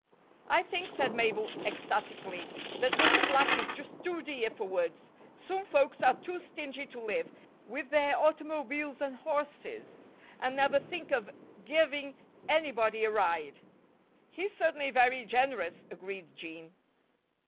"I think," said Mabel, ecstatically, "that Mr. Black is just too dear for words. Some folks are too stingy to live, with their automobiles and horses and never think of giving anybody a ride." "He's certainly very generous," agreed Jean.